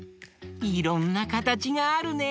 いろんなかたちがあるね！